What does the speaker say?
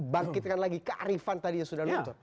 bangkitkan lagi kearifan tadi yang sudah luntur